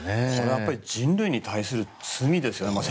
これはやっぱり人類に対する罪ですね。